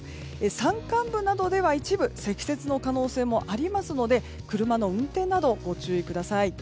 山間部などでは一部積雪の可能性もありますので車の運転などご注意ください。